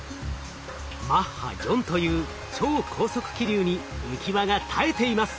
マッハ４という超高速気流に浮き輪が耐えています。